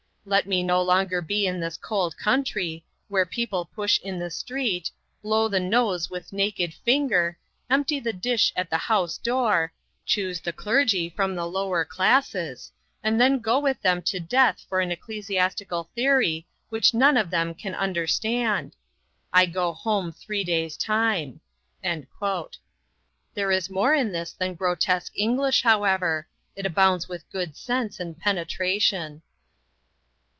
Let me no longer be in this cold country, where people push in the street, blow the noze with naked finger, empty the dish at the house door, chooze the clergy from the lower classes and then go with them to death for an ecclesiastical theory which none of them can understand. I go home three days time." There is more in this than grotesque English, however. It abounds with good sense and penetration.